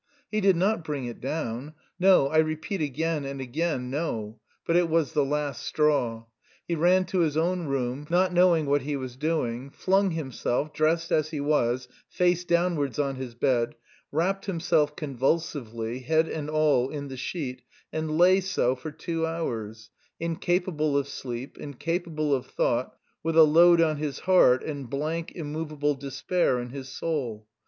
He did not bring it down no, I repeat again and again, no; but it was the last straw. He ran to his own room, not knowing what he was doing, flung himself, dressed as he was, face downwards on his bed, wrapped himself convulsively, head and all, in the sheet, and lay so for two hours incapable of sleep, incapable of thought, with a load on his heart and blank, immovable despair in his soul.